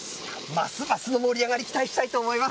ますますの盛り上がり、期待したいと思います。